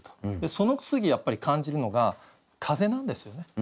その次やっぱり感じるのが風なんですよね。